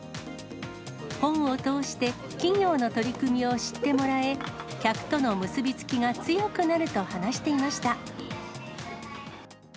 本を通して、企業の取り組みを知ってもらえ、客との結び付きが強くなると話していました。